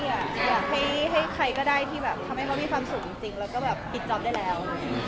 อยากให้ใครก็ได้ที่แบบทำให้เขามีความสุขจริงแล้วก็แบบปิดจ๊อปได้แล้ว